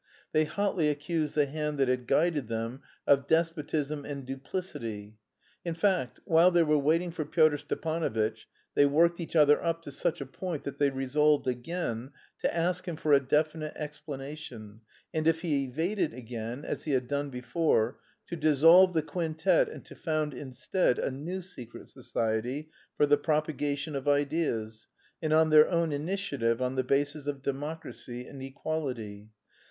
They hotly accused the hand that had guided them of despotism and duplicity. In fact, while they were waiting for Pyotr Stepanovitch they worked each other up to such a point that they resolved again to ask him for a definite explanation, and if he evaded again, as he had done before, to dissolve the quintet and to found instead a new secret society "for the propaganda of ideas" and on their own initiative on the basis of democracy and equality.